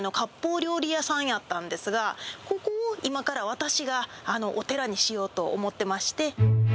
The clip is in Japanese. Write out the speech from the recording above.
料理屋さんだったんですが、ここを今から私がお寺にしようと思ってまして。